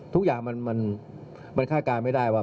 ทุกอย่างมันคาดการณ์ไม่ได้ว่า